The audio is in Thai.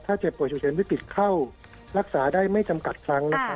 ถ้าเจ็บป่วยฉุกเฉินวิกฤตเข้ารักษาได้ไม่จำกัดครั้งนะคะ